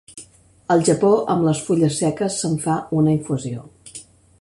Al Japó amb les fulles seques se'n fa una infusió.